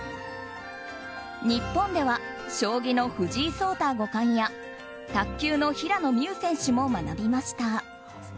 日本では、将棋の藤井聡太五冠や卓球の平野美宇選手も学びました。